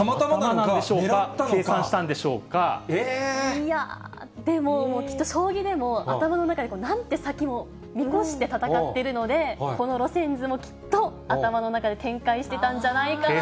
いやー、でも、将棋でも頭の中で何手先も見越して戦っているので、この路線図もきっと頭の中で展開してたんじゃないかなと。